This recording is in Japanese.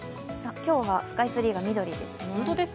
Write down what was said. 今日はスカイツリーが緑ですね。